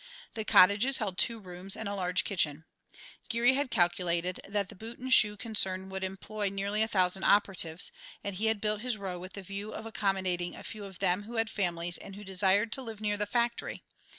The cottages held two rooms and a large kitchen. Geary had calculated that the boot and shoe concern would employ nearly a thousand operatives, and he had built his row with the view of accommodating a few of them who had families and who desired to live near the factory.